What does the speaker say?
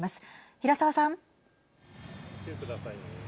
平沢さん。